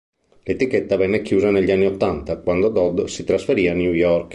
L'etichetta venne chiusa negli anni ottanta quando Dodd si trasferì a New York.